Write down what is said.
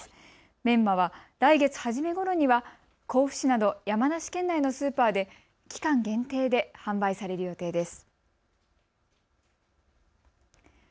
メンマは来月初めごろには甲府市など山梨県内のスーパーで期間限定で販売される予定です。